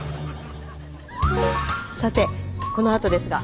さてこのあとですが。